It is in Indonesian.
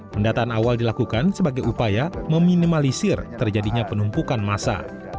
pendataan awal dilakukan sebagai upaya meminimalisir terjadinya penumpukan massa